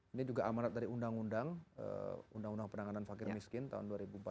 ini juga amanat dari undang undang penanganan fakir miskin tahun dua ribu empat belas